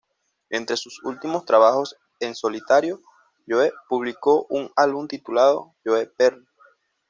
Entre sus últimos trabajos en solitario Joe publicó un álbum titulado "Joe Perry".